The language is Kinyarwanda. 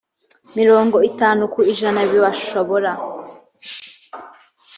mirongo itanu ku ijana bashobora